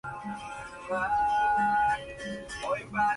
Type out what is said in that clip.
Si es así, estas aún han de hallarse.